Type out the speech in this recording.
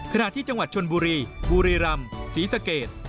ขณะที่จังหวัดชนบุรีบุรีรำศรีสะเกด